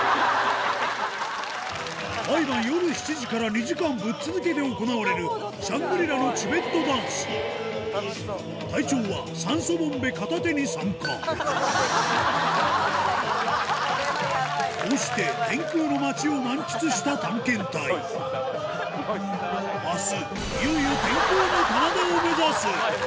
毎晩夜７時から２時間ぶっ続けで行われるシャングリラのチベットダンス隊長は酸素ボンベ片手に参加こうして天空の町を満喫した探検隊明日